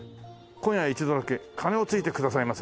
「今夜一度だけ鐘をついてくださいませ」